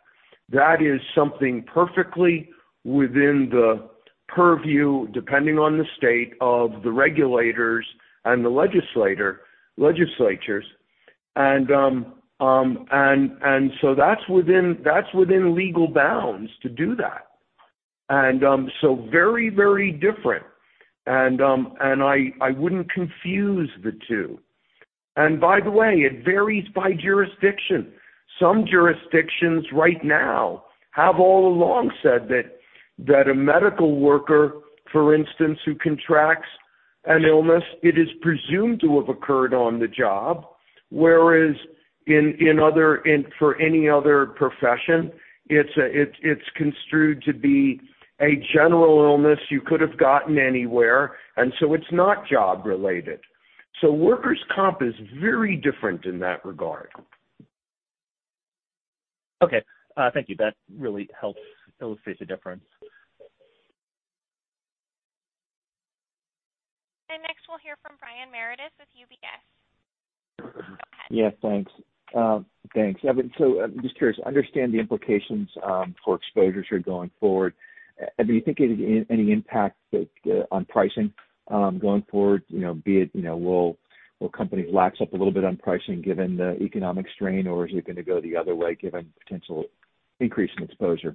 That is something perfectly within the purview, depending on the state of the regulators and the legislatures. That's within legal bounds to do that. Very, very different. I wouldn't confuse the two. By the way, it varies by jurisdiction. Some jurisdictions right now have all along said that a medical worker, for instance, who contracts an illness, it is presumed to have occurred on the job, whereas for any other profession, it's construed to be a general illness you could have gotten anywhere, and so it's not job-related. Workers' comp is very different in that regard. Okay. Thank you. That really helps illustrate the difference. Next we'll hear from Brian Meredith with UBS. Yes, thanks, Evan. I'm just curious. I understand the implications for exposures are going forward. Do you think any impact on pricing going forward, be it will companies lax up a little bit on pricing given the economic strain, or is it going to go the other way given potential increase in exposure?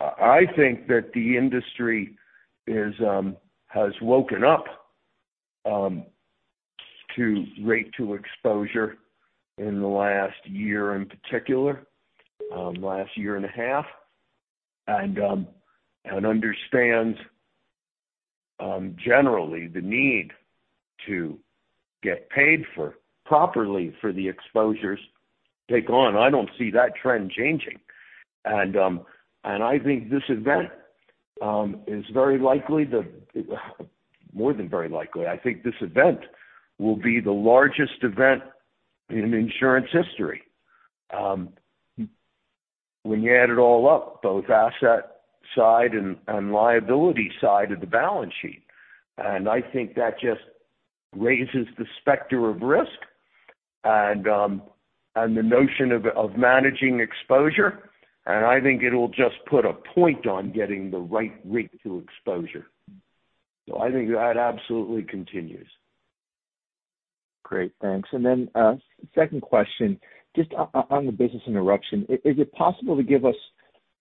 I think that the industry has woken up to rate to exposure in the last year in particular, last year and a half, and understands, generally, the need to get paid properly for the exposures take on. I don't see that trend changing. I think this event is very likely, more than very likely, I think this event will be the largest event in insurance history. When you add it all up, both asset side and liability side of the balance sheet, I think that just raises the specter of risk and the notion of managing exposure. I think it'll just put a point on getting the right rate to exposure. I think that absolutely continues. Great, thanks. Then, second question, just on the business interruption, is it possible to give us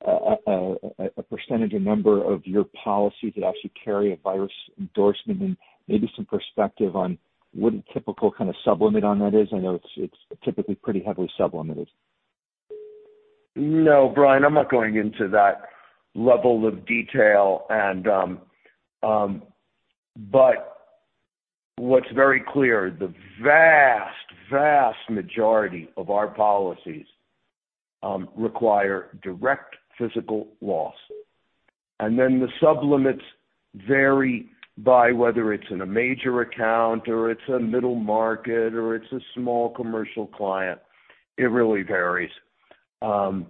a percentage or number of your policies that actually carry a virus endorsement and maybe some perspective on what a typical kind of sub-limit on that is? I know it's typically pretty heavily sub-limited. No, Brian, I'm not going into that level of detail. What's very clear, the vast majority of our policies require direct physical loss. The sub-limits vary by whether it's in a major account or it's a middle market or it's a small commercial client. It really varies. On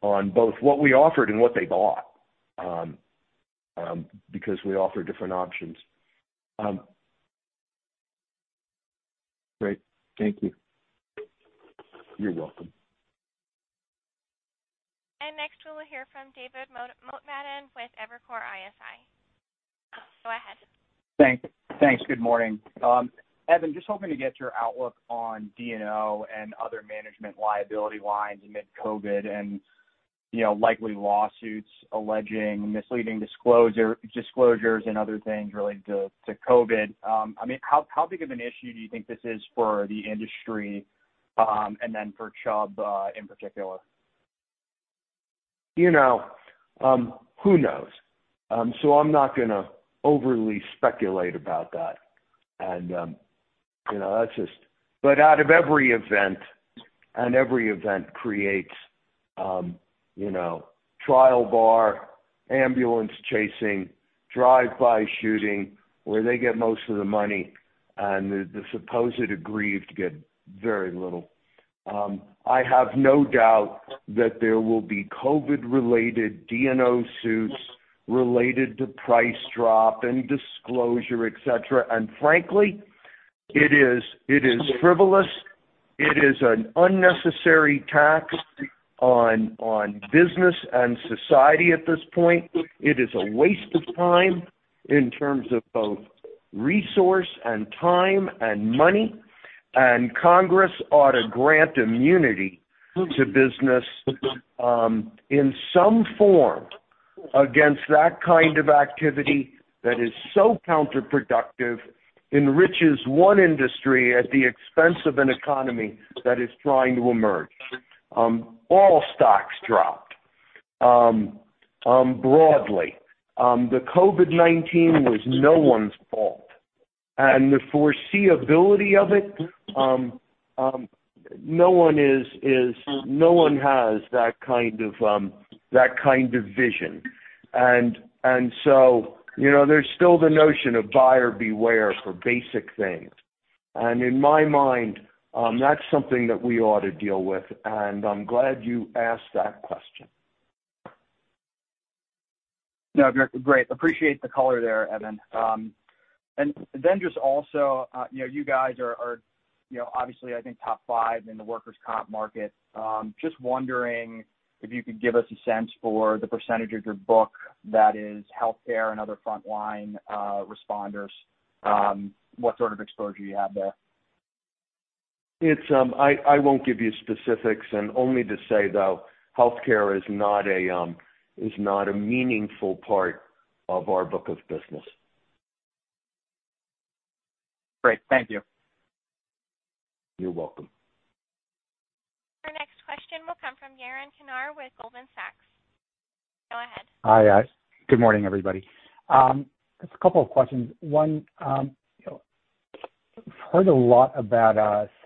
both what we offered and what they bought, because we offer different options. Great. Thank you. You're welcome. Next, we'll hear from David Motemaden with Evercore ISI. Go ahead. Thanks. Good morning. Evan, just hoping to get your outlook on D&O and other management liability lines amid COVID and likely lawsuits alleging misleading disclosures and other things related to COVID. How big of an issue do you think this is for the industry, and then for Chubb, in particular? Who knows? I'm not going to overly speculate about that. Out of every event, and every event creates trial bar, ambulance-chasing, drive-by shooting, where they get most of the money and the supposed aggrieved get very little. I have no doubt that there will be COVID-related D&O suits related to price drop and disclosure, et cetera. Frankly, it is frivolous. It is an unnecessary tax on business and society at this point. It is a waste of time in terms of both resource and time and money, and Congress ought to grant immunity to business, in some form, against that kind of activity that is so counterproductive, enriches one industry at the expense of an economy that is trying to emerge. All stocks dropped broadly. The COVID-19 was no one's fault. The foreseeability of it, no one has that kind of vision. There's still the notion of buyer beware for basic things. In my mind, that's something that we ought to deal with, and I'm glad you asked that question. No, great. Appreciate the color there, Evan. Just also, you guys are obviously top five in the workers' comp market. Just wondering if you could give us a sense for the % of your book that is healthcare and other frontline responders. What sort of exposure do you have there? I won't give you specifics, and only to say, though, healthcare is not a meaningful part of our book of business. Great. Thank you. You're welcome. Our next question will come from Yaron Kinar with Goldman Sachs. Go ahead. Hi. Good morning, everybody. Just a couple of questions. Heard a lot about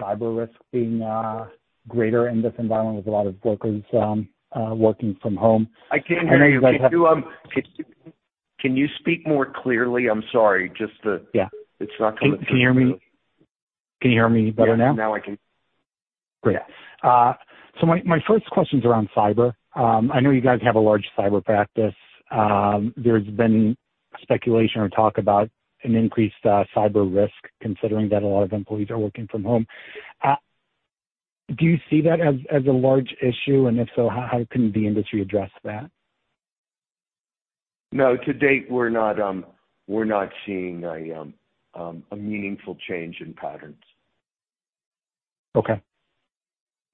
cyber risk being greater in this environment with a lot of workers working from home. I can't hear you. Can you speak more clearly? I'm sorry. Yeah. It's not coming through clearly. Can you hear me? Can you hear me better now? Yes, now I can. Great. My first question's around cyber. I know you guys have a large cyber practice. There's been speculation or talk about an increased cyber risk considering that a lot of employees are working from home. Do you see that as a large issue? If so, how can the industry address that? No, to date, we're not seeing a meaningful change in patterns. Okay.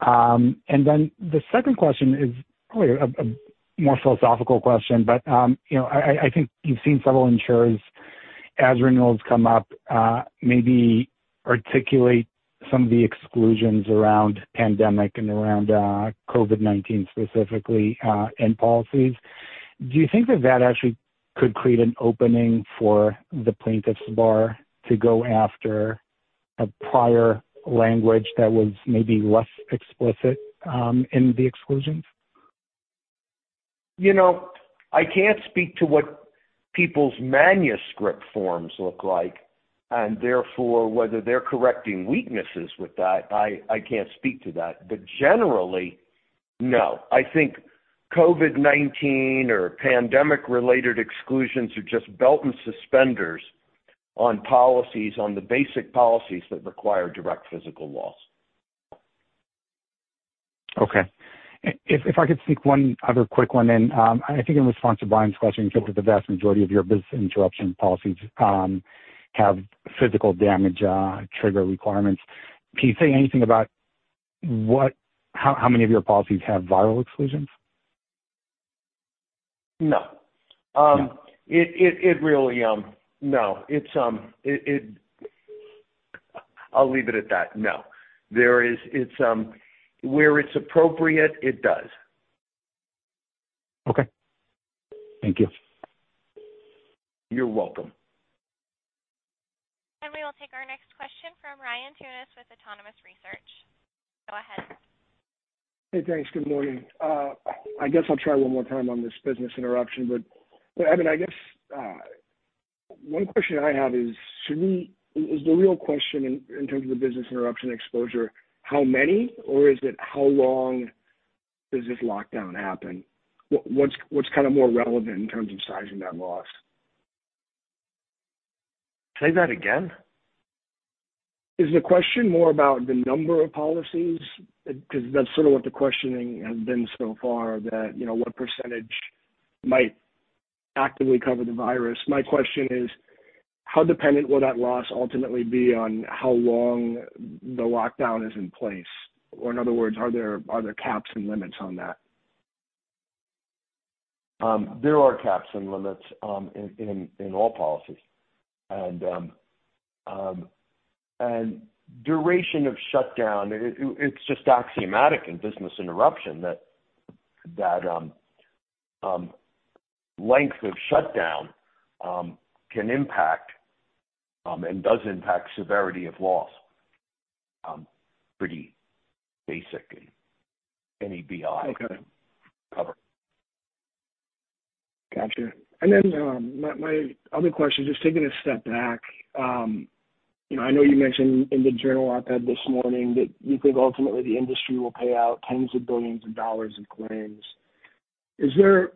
The second question is probably a more philosophical question, but I think you've seen several insurers as renewals come up, maybe articulate some of the exclusions around pandemic and around COVID-19 specifically, and policies. Do you think that that actually could create an opening for the plaintiffs' bar to go after a prior language that was maybe less explicit in the exclusions? I can't speak to what people's manuscript forms look like, and therefore, whether they're correcting weaknesses with that, I can't speak to that. Generally, no. I think COVID-19 or pandemic related exclusions are just belt and suspenders on the basic policies that require direct physical loss. Okay. If I could sneak one other quick one in. I think in response to Brian's question, in terms of the vast majority of your business interruption policies have physical damage trigger requirements. Can you say anything about how many of your policies have viral exclusions? No. No. I'll leave it at that, no. Where it's appropriate, it does. Okay. Thank you. You're welcome. We will take our next question from Ryan Tunis with Autonomous Research. Go ahead. Hey, thanks. Good morning. I guess I'll try one more time on this business interruption. Evan, I guess one question I have is the real question in terms of the business interruption exposure, how many, or is it how long does this lockdown happen? What's more relevant in terms of sizing that loss? Say that again. Is the question more about the number of policies? That's sort of what the questioning has been so far that, what percentage might actively cover the virus. My question is, how dependent will that loss ultimately be on how long the lockdown is in place? In other words, are there caps and limits on that? There are caps and limits in all policies. Duration of shutdown, it's just axiomatic in business interruption that length of shutdown can impact, and does impact severity of loss, pretty basic in any BI. Okay. cover. Gotcha. My other question, just taking a step back. I know you mentioned in the Journal op-ed this morning that you think ultimately the industry will pay out tens of billions of dollars in claims. Is there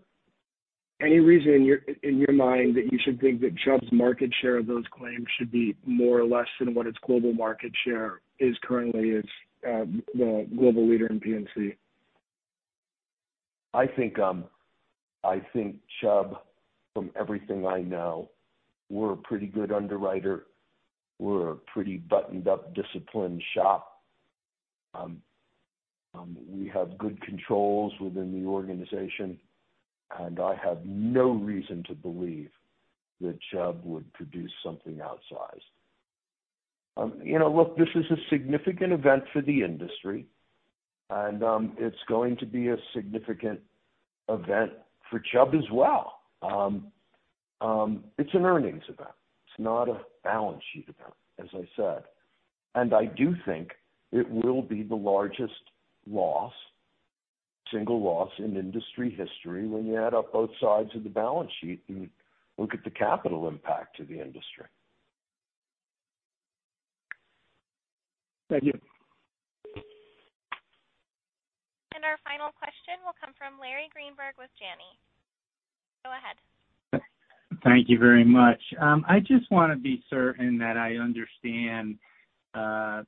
any reason in your mind that you should think that Chubb's market share of those claims should be more or less than what its global market share is currently as the global leader in P&C? I think Chubb, from everything I know, we're a pretty good underwriter. We're a pretty buttoned up, disciplined shop. We have good controls within the organization, I have no reason to believe that Chubb would produce something outsized. Look, this is a significant event for the industry, it's going to be a significant event for Chubb as well. It's an earnings event. It's not a balance sheet event, as I said. I do think it will be the largest single loss in industry history when you add up both sides of the balance sheet and look at the capital impact to the industry. Thank you. Our final question will come from Larry Greenberg with Janney. Go ahead. Thank you very much. I just want to be certain that I understand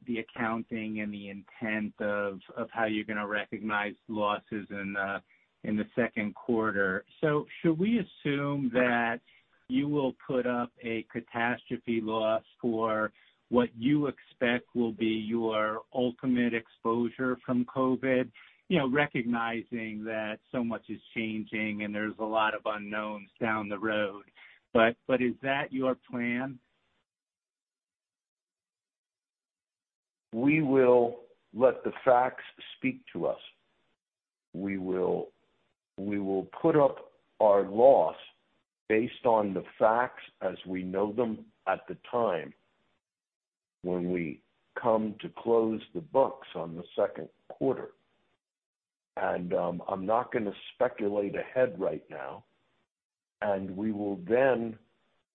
the accounting and the intent of how you're going to recognize losses in the second quarter. Should we assume that you will put up a catastrophe loss for what you expect will be your ultimate exposure from COVID? Recognizing that so much is changing, and there's a lot of unknowns down the road, but is that your plan? We will let the facts speak to us. We will put up our loss based on the facts as we know them at the time when we come to close the books on the second quarter. I'm not going to speculate ahead right now. We will then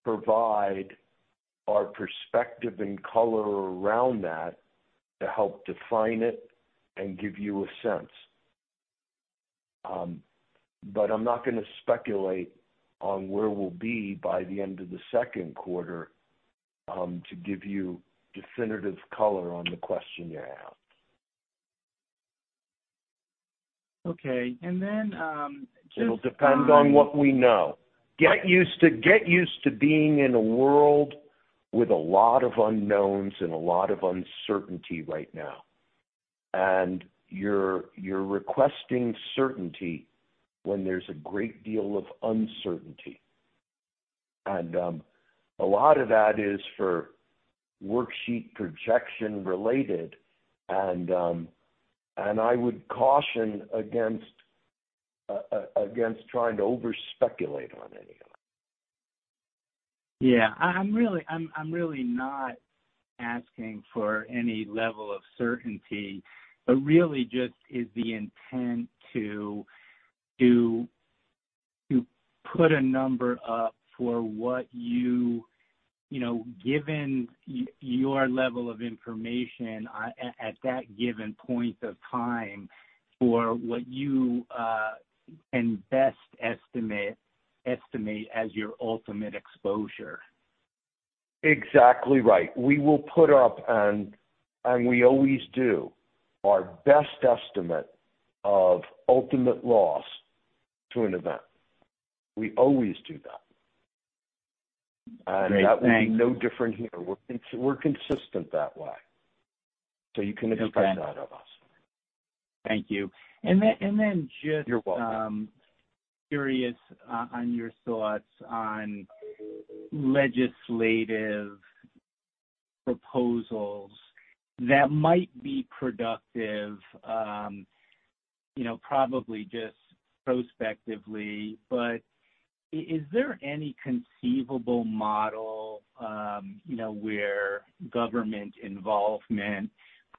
provide our perspective and color around that to help define it and give you a sense. I'm not going to speculate on where we'll be by the end of the second quarter to give you definitive color on the question you asked. Okay. It'll depend on what we know. Get used to being in a world with a lot of unknowns and a lot of uncertainty right now. You're requesting certainty when there's a great deal of uncertainty. A lot of that is for worksheet projection related, and I would caution against trying to over-speculate on any of that. Yeah. I'm really not asking for any level of certainty, but really just is the intent to put a number up for what you, given your level of information at that given point of time, for what you can best estimate as your ultimate exposure. Exactly right. We will put up, and we always do, our best estimate of ultimate loss to an event. We always do that. Great. Thank you. That will be no different here. We're consistent that way. You can expect that of us. Thank you. You're welcome. Curious on your thoughts on legislative proposals that might be productive, probably just prospectively, but is there any conceivable model where government involvement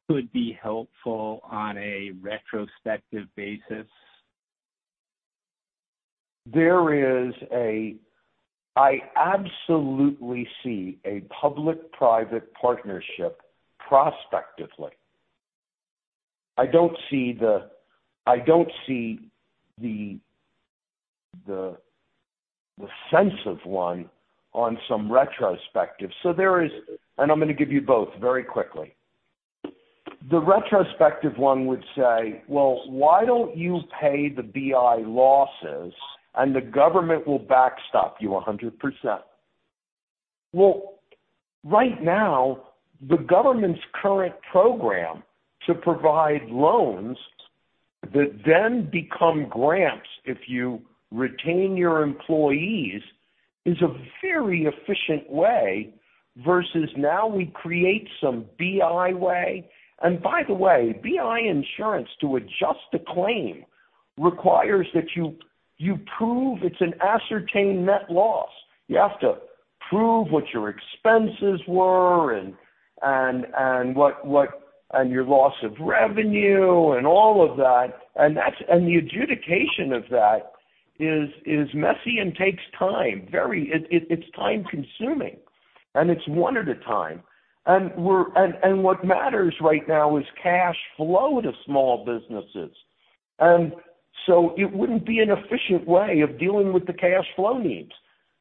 could be helpful on a retrospective basis? I absolutely see a public-private partnership prospectively. I don't see the sense of one on some retrospective. There is. I'm going to give you both very quickly. The retrospective one would say, well, why don't you pay the BI losses and the government will backstop you 100%? Well, right now, the government's current program to provide loans that then become grants if you retain your employees is a very efficient way, versus now we create some BI way. By the way, BI insurance to adjust a claim requires that you prove it's an ascertained net loss. You have to prove what your expenses were and your loss of revenue and all of that. The adjudication of that is messy and takes time. It's time-consuming, and it's one at a time. What matters right now is cash flow to small businesses. It wouldn't be an efficient way of dealing with the cash flow needs.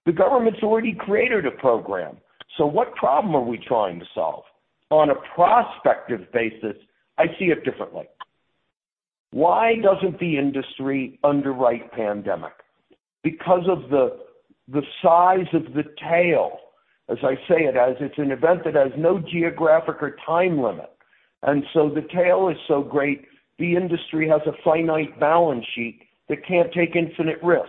The government's already created a program, so what problem are we trying to solve? On a prospective basis, I see it differently. Why doesn't the industry underwrite pandemic? Because of the size of the tail, as I say it, as it's an event that has no geographic or time limit. The tail is so great, the industry has a finite balance sheet that can't take infinite risk.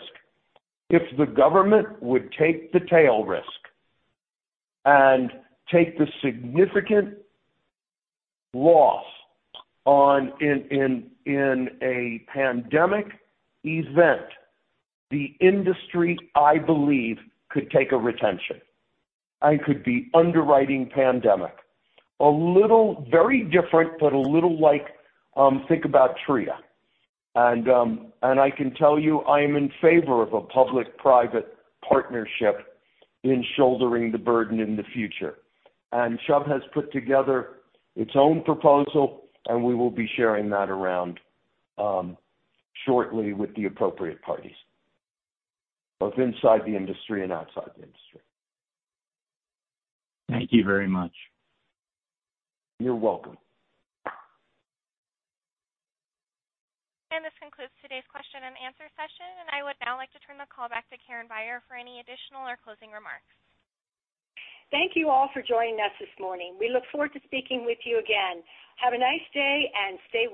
If the government would take the tail risk and take the significant loss in a pandemic event, the industry, I believe, could take a retention and could be underwriting pandemic. A little, very different, but a little like, think about TRIA. I can tell you, I am in favor of a public-private partnership in shouldering the burden in the future. Chubb has put together its own proposal, and we will be sharing that around shortly with the appropriate parties, both inside the industry and outside the industry. Thank you very much. You're welcome. This concludes today's question and answer session, and I would now like to turn the call back to Karen Beyer for any additional or closing remarks. Thank you all for joining us this morning. We look forward to speaking with you again. Have a nice day and stay well.